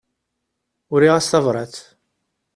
Uriɣ-as tabrat.